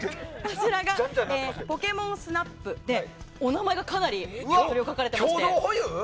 こちら「ポケモンスナップ」でお名前がかなり書かれていまして。